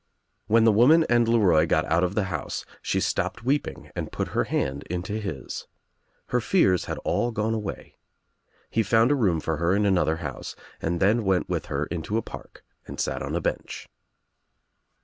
When the woman and LeRoy got out of the house she stopped weeping and put her hand into his. Her fears had all gone away. He found a room for her in another house and then went with her into a park and sat on a bench.